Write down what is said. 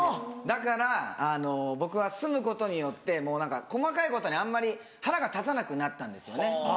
だから僕は住むことによってもう何か細かいことにあんまり腹が立たなくなったんですよね。